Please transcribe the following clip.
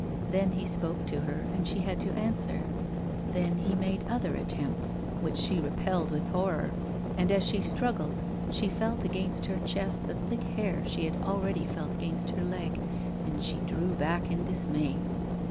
Then he spoke to her and she had to answer ; then he made other attempts, which she repelled with horror, and as she struggled she felt against her chest the thick hair she had akeady felt against her leg, and she drew back in dismay.